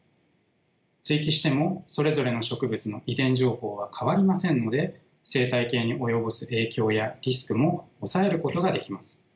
接ぎ木してもそれぞれの植物の遺伝情報は変わりませんので生態系に及ぼす影響やリスクも抑えることができます。